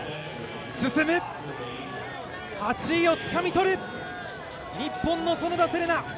進む、８位をつかみ取る、日本の園田世玲奈。